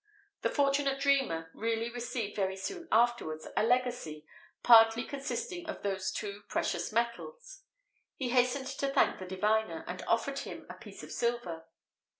The fortunate dreamer really received very soon afterwards a legacy partly consisting of those two precious metals. He hastened to thank the diviner, and offered him a piece of silver.